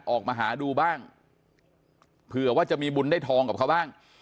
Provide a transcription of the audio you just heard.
ออกมาหาดูบ้างเผื่อว่าจะมีบุญได้ทองกับเขาบ้าง